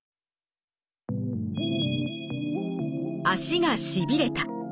足がしびれた。